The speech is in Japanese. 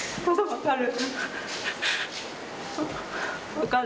分かる？